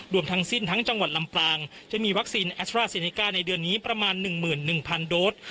รวมทั้งสิ้นทั้งจังหวัดลำปลางจะมีวัคซีนในเดือนนี้ประมาณหนึ่งหมื่นหนึ่งพันโดส